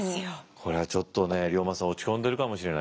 これはちょっとね龍馬さん落ち込んでるかもしれない。